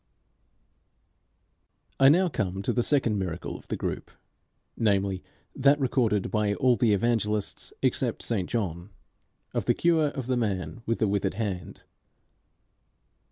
I now come to the second miracle of the group, namely that, recorded by all the Evangelists except St John, of the cure of the man with the withered hand.